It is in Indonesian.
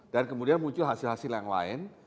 dan kemudian muncul hasil hasil yang lain